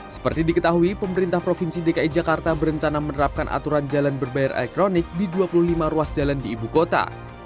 seperti diketahui pemerintah provinsi dki jakarta berencana menerapkan aturan jalan berbayar elektronik di dua puluh lima ruas jalan di ibu kota